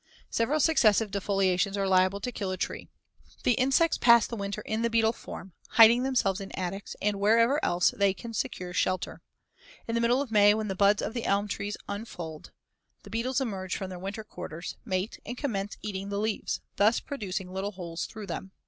Several successive defoliations are liable to kill a tree. The insects pass the winter in the beetle form, hiding themselves in attics and wherever else they can secure shelter. In the middle of May when the buds of the elm trees unfold, the beetles emerge from their winter quarters, mate, and commence eating the leaves, thus producing little holes through them.